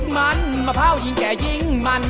มะพราวน์หญิงแก่อิ่งมัน